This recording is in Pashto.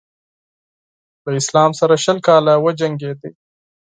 له اسلام سره شل کاله وجنګېد.